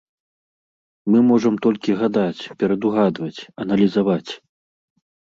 Мы можам толькі гадаць, перадугадваць, аналізаваць.